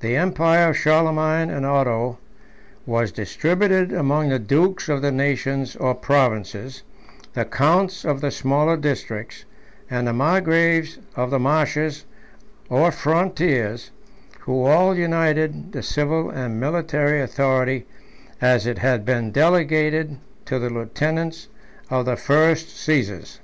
The empire of Charlemagne and Otho was distributed among the dukes of the nations or provinces, the counts of the smaller districts, and the margraves of the marches or frontiers, who all united the civil and military authority as it had been delegated to the lieutenants of the first Caesars.